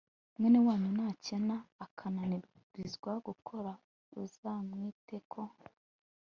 mwene wanyu nakena akananirizwa gukora, uzamwiteko